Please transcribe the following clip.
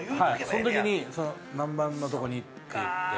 その時に何番のところにって言って。